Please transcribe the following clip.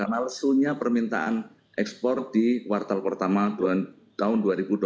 maksudnya permintaan ekspor di kuartal pertama tahun dua ribu dua puluh empat